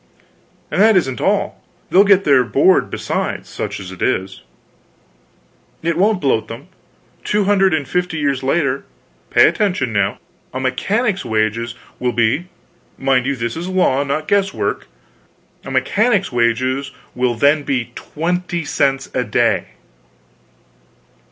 "And that isn't all; they'll get their board besides such as it is: it won't bloat them. Two hundred and fifty years later pay attention now a mechanic's wages will be mind you, this is law, not guesswork; a mechanic's wages will then be twenty cents a day!"